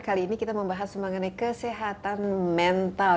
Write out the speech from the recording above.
kali ini kita membahas mengenai kesehatan mental